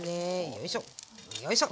よいしょよいしょ。